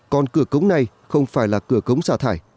còn cửa cống này không phải là cửa cống xả thải